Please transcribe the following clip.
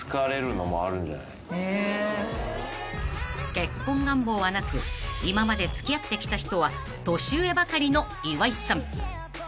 ［結婚願望はなく今まで付き合ってきた人は年上ばかりの岩井さん］